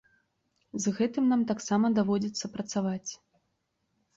З гэтым нам таксама даводзіцца працаваць.